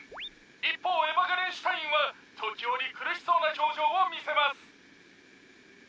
「一方エヴァ・ガレンシュタインは時折苦しそうな表情を見せます」